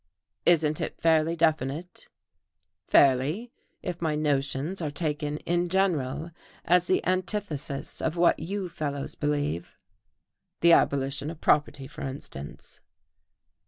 "Isn't it fairly definite?" "Fairly, if my notions are taken in general as the antithesis of what you fellows believe." "The abolition of property, for instance."